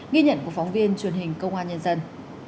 ghi nhận của phóng viên truyền hình công an nhân dân